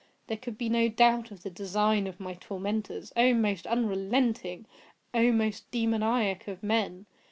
There could be no doubt of the design of my tormentors—oh! most unrelenting! oh! most demoniac of men!